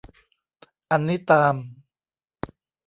อันนี้ตาม